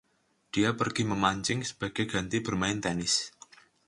Dia pergi memancing sebagai ganti bermain tenis.